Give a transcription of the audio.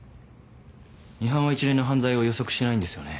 ミハンは一連の犯罪を予測してないんですよね？